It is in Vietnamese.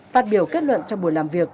phát biểu kết luận trong buổi làm việc